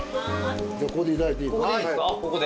じゃあここでいただいていいの？